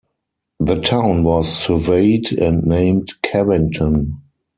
The town was surveyed and named Kevington.